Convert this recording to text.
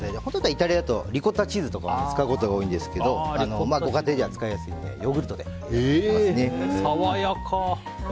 イタリアだとリコッタチーズとかを使うことが多いんですけどご家庭では使いやすいので爽やか！